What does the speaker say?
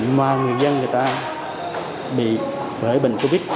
mà người dân người ta bị bởi bệnh covid